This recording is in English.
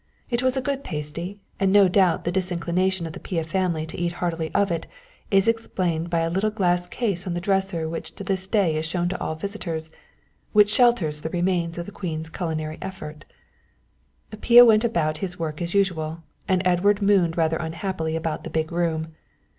It was a good pasty, and no doubt the disinclination of the Pia family to eat heartily of it is explained by a little glass case on the dresser which to this day is shown to all visitors, and which shelters the remains of the queen's culinary effort. Pia went about his work as usual, and Edward mooned rather unhappily about the big room.